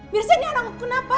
mirsa ini anakku kenapa